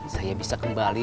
saya bisa kembali